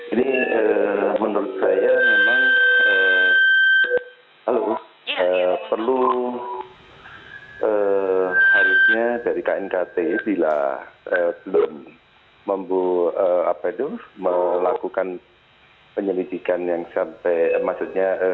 ini menurut saya memang perlu harusnya dari knkt bila belum melakukan penyelidikan yang sampai maksudnya